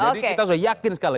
jadi kita sudah yakin sekali